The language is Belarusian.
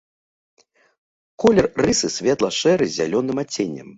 Колер рысы светла-шэры з зялёным адценнем.